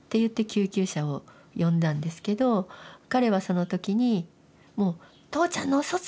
救急車を呼んだんですけど彼はその時にもう「父ちゃんのうそつき！